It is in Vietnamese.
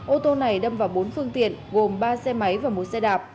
ô tô này đâm vào bốn phương tiện gồm ba xe máy và một xe đạp